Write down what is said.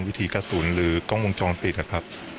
วิถีกระสุนหรือกล้องวงจรปิดนะครับ